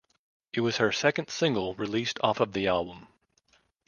It was her second single released off of the album.